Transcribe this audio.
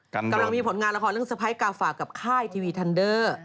กำลังมีผลงานละครเรื่องสะพ้ายกาฝากกับค่ายทีวีทันเดอร์